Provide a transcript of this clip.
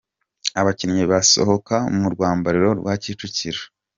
Abakinnyi basohoka mu rwambariro rwa Kicukiro